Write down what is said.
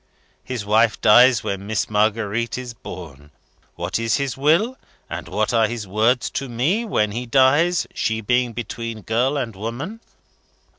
His wife dies when Miss Marguerite is born. What is his will, and what are his words to me, when he dies, she being between girl and woman?